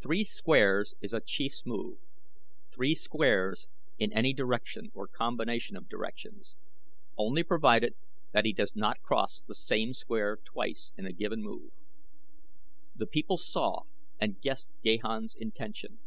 Three squares is a Chief's move three squares in any direction or combination of directions, only provided that he does not cross the same square twice in a given move. The people saw and guessed Gahan's intention.